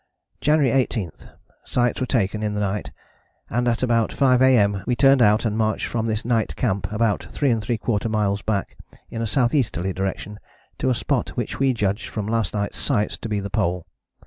"January 18. Sights were taken in the night, and at about 5 A.M. we turned out and marched from this night camp about 3¾ miles back in a S.E.ly direction to a spot which we judged from last night's sights to be the Pole.